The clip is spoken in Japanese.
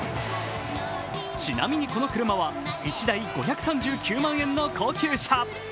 ちなみに、この車は１台５３９万円の高級車。